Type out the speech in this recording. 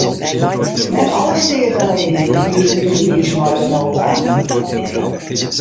Net alle steateleden wienen like wiis mei de nota.